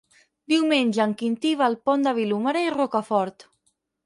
Diumenge en Quintí va al Pont de Vilomara i Rocafort.